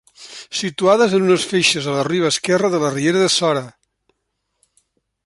Situades en unes feixes a la riba esquerra de la riera de Sora.